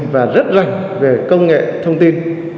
và rất rành về công nghệ thông tin